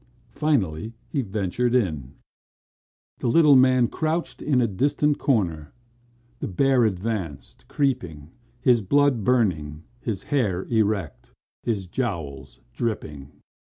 Finally he ventured in. The little man crouched in a distant corner. The bear advanced, creeping, his blood burning, his hair erect, his jowls dripping.